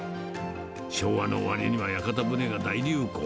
昭和の終わりには屋形船が大流行。